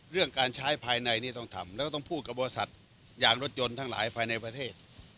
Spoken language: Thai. เรื่องการใช้ภายในนี่ต้องทำแล้วก็ต้องพูดกับบริษัทยางรถยนต์ทั้งหลายภายในประเทศ